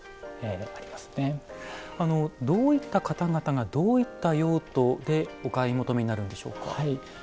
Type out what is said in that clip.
あのどういった方々がどういった用途でお買い求めになるんでしょうか？